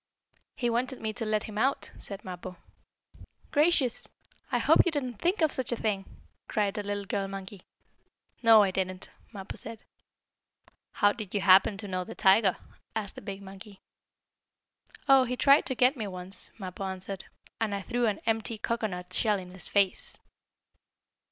"He wanted me to let him out," said Mappo. "Gracious! I hope you didn't think of such a thing!" cried a little girl monkey. "No, I didn't," Mappo said. "How did you happen to know the tiger?" asked the big monkey. "Oh, he tried to get me once," Mappo answered, "and I threw an empty cocoanut shell in his face!"